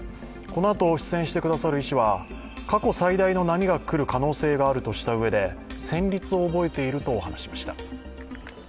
このあと出演してくださる医師は過去最大の波が来る可能性があるとしたうえで、戦慄を覚えていると話しました。